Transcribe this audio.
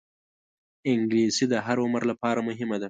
انګلیسي د هر عمر لپاره مهمه ده